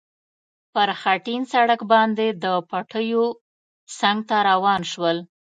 پر خټین سړک باندې د پټیو څنګ ته روان شول.